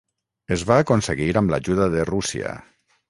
Es va aconseguir amb l'ajuda de Rússia.